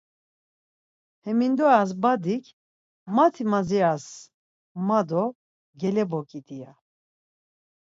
Hemindoras badik, mati madziras ma do geleboǩidi ya.